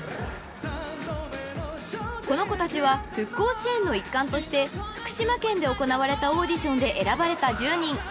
［この子たちは復興支援の一環として福島県で行われたオーディションで選ばれた１０人］